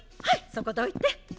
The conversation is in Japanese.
はいそこどいて。